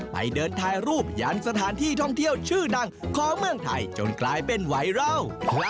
ไปเดินถ่ายรูปยังสถานที่ท่องเที่ยวชื่อดังของเมืองไทยจนกลายเป็นไวรัล